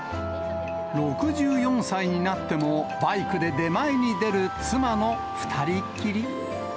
６４歳になってもバイクで出前に出る妻の２人っきり。